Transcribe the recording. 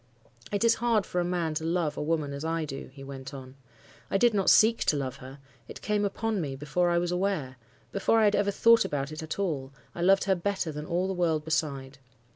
"'It is hard for a man to love a woman as I do,' he went on—'I did not seek to love her, it came upon me before I was aware—before I had ever thought about it at all, I loved her better than all the world beside.